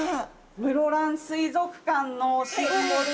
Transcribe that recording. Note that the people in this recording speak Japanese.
室蘭水族館のシンボル